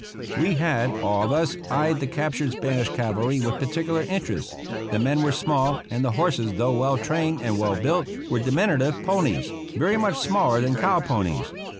We had, all of us, eyed the captured Spanish cavalry with particular interest. The men were small, and the horses, though well trained and well built, were diminutive ponies, very much smaller than cow ponies.